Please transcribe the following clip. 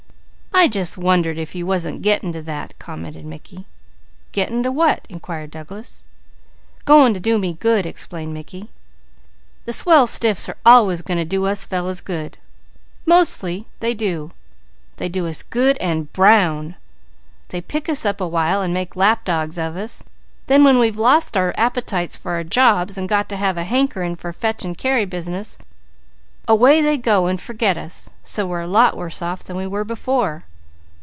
"I just wondered if you wasn't getting to that," commented Mickey. "Getting to what?" inquired Douglas. "Going to do me good!" explained Mickey. "The swell stiffs are always going to do us fellows good. Mostly they do! They do us good and brown! They pick us up a while and make lap dogs of us, then when we've lost our appetites for our jobs and got to having a hankerin' for the fetch and carry business away they go and forget us, so we're a lot worse off than we were before.